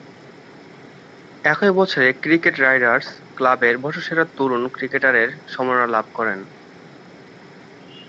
একই বছরে cricket writers ক্লাবের বর্ষসেরা তরুণ ক্রিকেটারের সম্মাননা লাভ করেন।